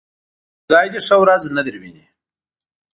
خدای دې ښه ورځ نه درويني.